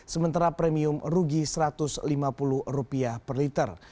sementara premium rugi rp satu ratus lima puluh per liter